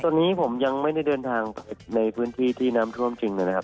ตอนนี้ผมยังไม่ได้เดินทางไปในพื้นที่ที่น้ำท่วมจริงเลยนะครับ